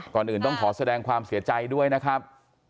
ก่อนอื่นต้องขอแสดงความเสียใจด้วยนะครับ